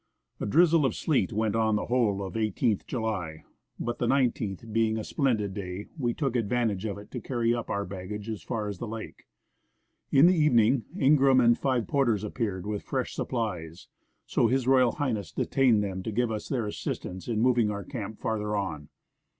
A drizzle of sleet went on the whole of the i8th July ; but the 19th being a splendid day, we took advantage of it to carry up our baggage as far as the lake. In the evening, Ingraham and five porters appeared with fresh supplies, so H.R. H. detained them to give us their assistance in moving our camp farther on.